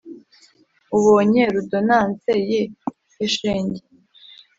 ubonye rudonanse ye he shenge